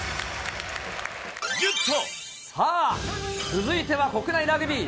さあ、続いては国内ラグビー。